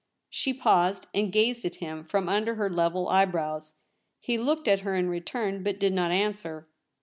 She paused, and gazed at him from under her level eye brows. He looked at her in return, but did not answer.